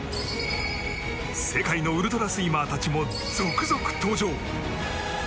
世界のウルトラスイマーたちも続々登場。